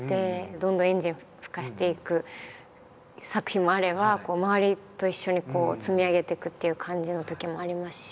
どんどんエンジンをふかしていく作品もあれば周りと一緒に積み上げていくっていう感じのときもありますし。